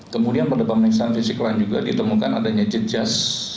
kemudian pada pemeriksaan fisik lain juga ditemukan adanya jejas